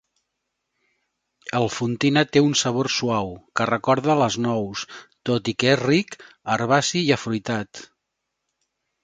El fontina té un sabor suau, que recorda les nous, tot i que és ric, herbaci i afruitat.